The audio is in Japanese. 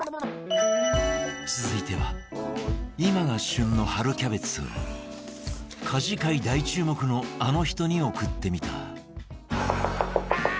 続いては今が旬の春キャベツを家事界大注目のあの人に送ってみた